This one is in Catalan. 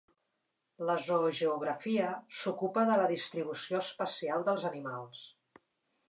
La zoogeografia s'ocupa de la distribució espacial dels animals.